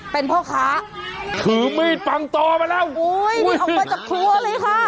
เป็นพ่อค้าถือมีดปังตอมาแล้วอุ้ยนี่ออกมาจากครัวเลยค่ะ